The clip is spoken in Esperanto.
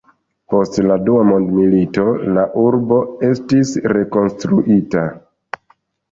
Post la dua mondmilito, la urbo estis rekonstruita.